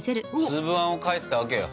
粒あんを描いてたわけよ。